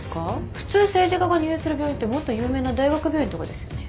普通政治家が入院する病院ってもっと有名な大学病院とかですよね。